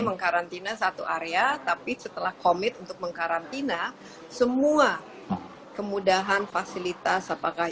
mengkarantina satu area tapi setelah komit untuk mengkarantina semua kemudahan fasilitas apakah